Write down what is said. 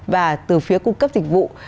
và từ phía cung cấp dịch vụ